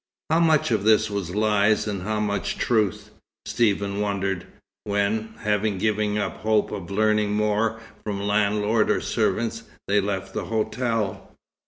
How much of this was lies and how much truth? Stephen wondered, when, having given up hope of learning more from landlord or servants, they left the hotel.